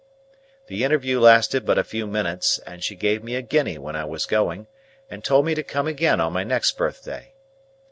The interview lasted but a few minutes, and she gave me a guinea when I was going, and told me to come again on my next birthday.